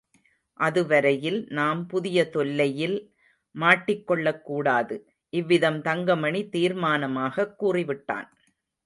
அதுவரையில் நாம் புதிய தொல்லையில் மாட்டிக்கொள்ளக் கூடாது. இவ்விதம் தங்கமணி தீர்மானமாகக் கூறிவிட்டான்.